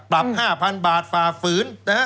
๕๐๐๐บาทฝ่าฝืนนะฮะ